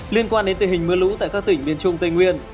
liên quan đến tình hình mưa lũ tại các tỉnh miền trung tây nguyên